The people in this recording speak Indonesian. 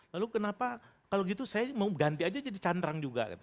lalu kenapa kalau gitu saya mau ganti aja jadi cantrang juga